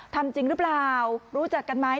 ทำจริงหรือเปล่ารู้จักกันไหม